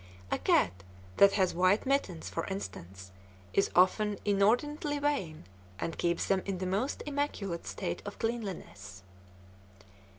A cat that has white mittens, for instance, is often inordinately vain, and keeps them in the most immaculate state of cleanliness.